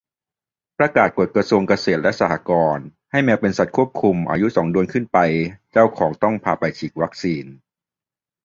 ประกาศกฎกระทรวงเกษตรและสหกรณ์ ให้แมวเป็นสัตว์ควบคุม อายุสองเดือนขึ้นไปเจ้าของต้องพาไปฉีดวัคซีน